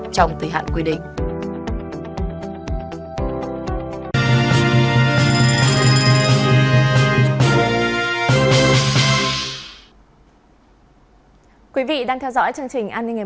trong thời gian tới